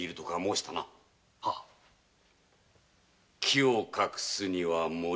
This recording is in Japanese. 木を隠すには森。